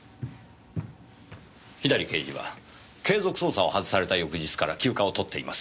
左刑事は継続捜査を外された翌日から休暇を取っています。